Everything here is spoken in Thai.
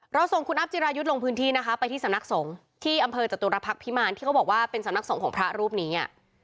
ส่งคุณอัพจิรายุทธ์ลงพื้นที่นะคะไปที่สำนักสงฆ์ที่อำเภอจตุรพักษ์พิมารที่เขาบอกว่าเป็นสำนักสงฆ์ของพระรูปนี้